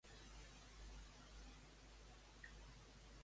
Què deien Estrabó i Pausànies, però?